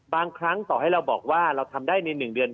บางครั้งต่อให้เราบอกว่าเราทำได้ใน๑เดือน